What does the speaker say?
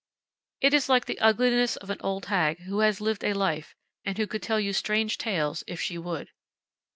It is like the ugliness of an old hag who has lived a life, and who could tell you strange tales, if she would.